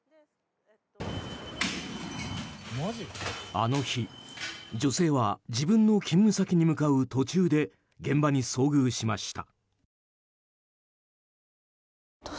あの日、女性は自分の勤務先に向かう途中で現場に遭遇しました。